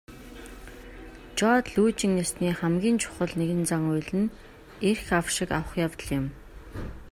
Жод лүйжин ёсны хамгийн чухал нэгэн зан үйл нь эрх авшиг авах явдал юм.